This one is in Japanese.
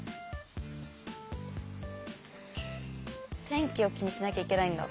天気を気にしなきゃいけないんだ。